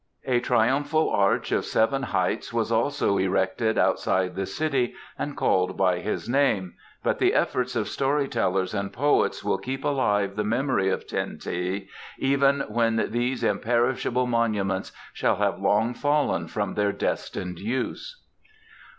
A triumphal arch of seven heights was also erected outside the city and called by his name, but the efforts of story tellers and poets will keep alive the memory of Ten teh even when these imperishable monuments shall have long fallen from their destined use.